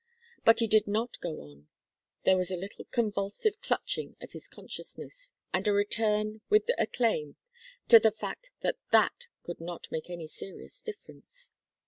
But he did not go on; there was a little convulsive clutching of his consciousness, and a return, with acclaim, to the fact that that could not make any serious difference.